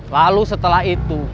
lalu setelah itu